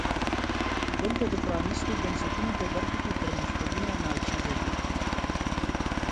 دلته د پرانیستو بنسټونو په برخه کې پرمختګونه ناچیزه دي.